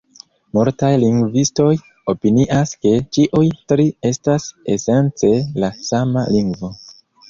Multaj lingvistoj opinias, ke ĉiuj tri estas esence la sama lingvo.